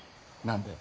何で？